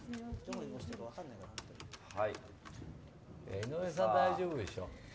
井上さん、大丈夫でしょ。